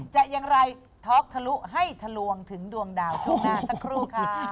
จะอย่างไรท็อกทะลุให้ทะลวงถึงดวงดาวช่วงหน้าสักครู่ค่ะ